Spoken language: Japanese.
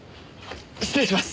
失礼します。